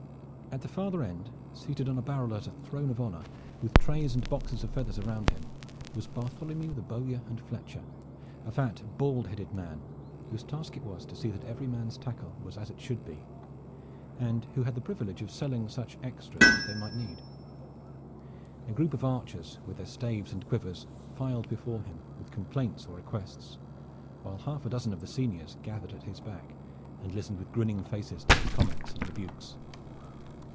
At the farther end, seated on a barrel as a throne of honor, with trays and boxes of feathers around him, was Bartholomew the bowyer and Fletcher, a fat, bald headed man, whose task it was to see that every man's tackle was as it should be, and who had the privilege of selling such extras as they might need. A group of archers with their staves and quivers filed before him with complaints or requests, while half a dozen of the seniors gathered at his back and listened with grinning faces to his comments and rebukes.